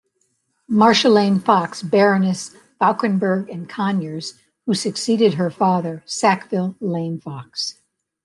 Marcia Lane-Fox, "Baroness Fauconberg and Conyers", who succeeded her father, Sackville Lane-Fox.